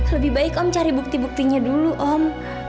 lebih baik om cari bukti buktinya dulu om